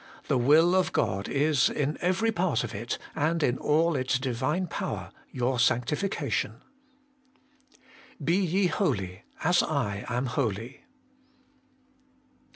The will of God is, in every part of it, and in all its Divine power, your sanctification. BE TE HOLY, AS I AM HOLY.